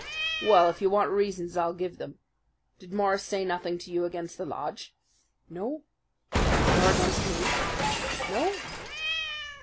"Well, if you want reasons, I'll give them. Did Morris say nothing to you against the lodge?" "No." "Nor against me?" "No."